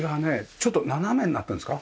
ちょっと斜めになってるんですか？